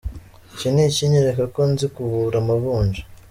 Iki ni ikinyereka ko nzi kuvura amavunja.